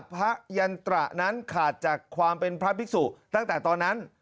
ยันตระนั้นขาดจากความเป็นพระภิกษุตั้งแต่ตอนนั้น